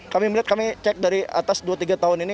kami melihat kami cek dari atas dua tiga tahun ini